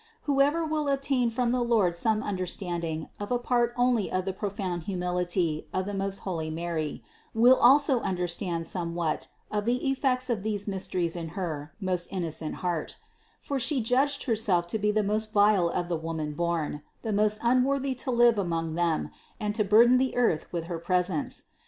Whoever will obtain from the Lord some understanding of a part only of the pro found humility of the most holy Mary will also under stand somewhat of the effects of these mysteries in her most innocent heart; for She judged Herself to be the most vile of the womanborn, the most unworthy to live among them and to burden the earth with her presence.